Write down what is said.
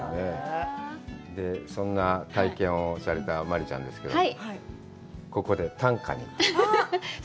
そんな体験をされた真里ちゃんですけども、ここで短歌に移ります。